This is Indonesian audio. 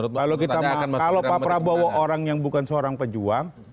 kalau pak prabowo orang yang bukan seorang pejuang